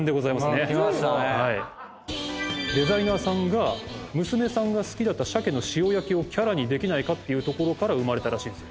デザイナーさんが娘さんが好きだった鮭の塩焼きをキャラにできないかっていうところから生まれたらしいんですよ。